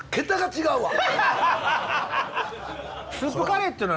スープカレーっていうのはね